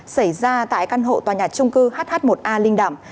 xảy ra tại căn hộ tòa nhà trung cư hh một a linh đàm